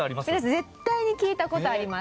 絶対に聞いた事あります。